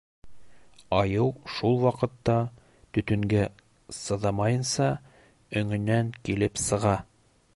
Айыу шул ваҡытта, төтөнгә сыҙамайынса, өңөнән килеп сыға.